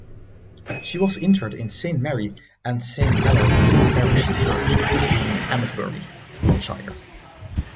She was interred in Saint Mary and Saint Melor Parish Church in Amesbury, Wiltshire.